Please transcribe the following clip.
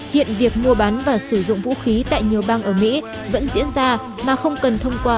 hiện việc mua bán và sử dụng vũ khí tại nhiều bang ở mỹ vẫn diễn ra mà không cần thông qua